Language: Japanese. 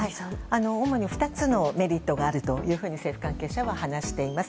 主に２つのメリットがあると政府関係者は話しています。